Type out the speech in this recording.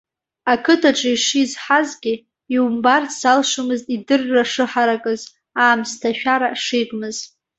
Ақыҭаҿы ишизҳазгьы, иумбарц залшомызт идырра шыҳаракыз, аамсҭашәара шигмыз.